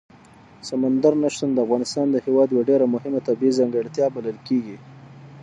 سمندر نه شتون د افغانستان هېواد یوه ډېره مهمه طبیعي ځانګړتیا بلل کېږي.